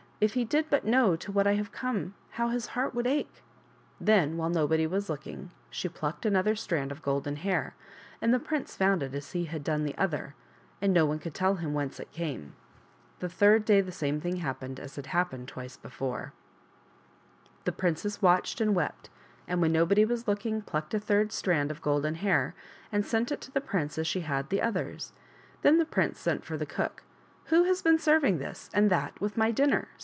If he did but know to what I have come, how his heart would ache !" Then, while nobody was looking, she plucked another strand of golden hair and the prince found it as he had done the other, and no one could tell hl*n whence it came. The third day the same thing happened as had happened twice before : ^Pnmtfisifixi^lfttPttatt. 76 PRINCESS GOLDEN HAIR AND THE GREAT BLACK RAVEN. the princess watched and wept, and when nobody was looking plucked a third strand of golden hair and sent it to the prince as she had the others. Then the prince sent for the cook. " Who has been serving this and that with my dinner?"